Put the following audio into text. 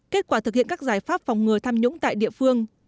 kết quả thực hiện các giải pháp phòng ngừa tham nhũng tại địa phương